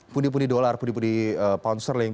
pundi pundi dolar pundi pundi pound sterling